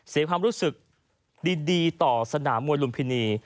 เสียความรู้สึกดีต่อสนามมวยลุมพินี